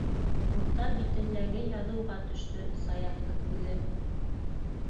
Урта битендәге яҙыуға төштө Саяфтың күҙе.